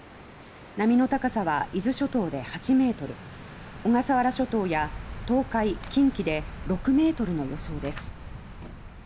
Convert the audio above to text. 波の高さは伊豆諸島で８ｍ小笠原諸島や東海、近畿で６ｍの予想です。